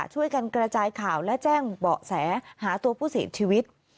ช่วยกันกระจายข่าวและแจ้งเบาะแสหาตัวผู้เสียชีวิต